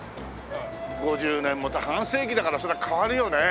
５０年も半世紀だからそりゃ変わるよね。